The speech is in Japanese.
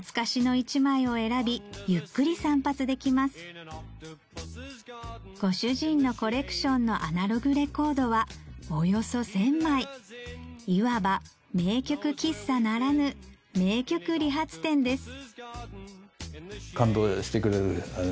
お店の入り口にはこんな張り紙がご主人のコレクションのアナログレコードはおよそ１０００枚いわば名曲喫茶ならぬ名曲理髪店です